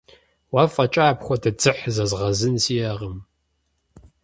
Уэ фӀэкӀа апхуэдэ дзыхь зэзгъэзын сиӀэкъым.